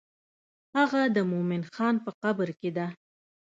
هغه د مومن خان په قبر کې ده.